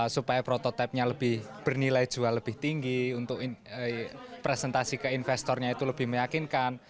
supaya prototipenya lebih bernilai jual lebih tinggi untuk presentasi ke investornya itu lebih meyakinkan